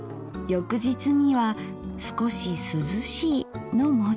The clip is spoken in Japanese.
翌日には「すこし涼しい」の文字。